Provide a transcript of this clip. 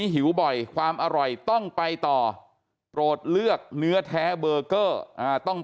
หิวบ่อยความอร่อยต้องไปต่อโปรดเลือกเนื้อแท้เบอร์เกอร์ต้อง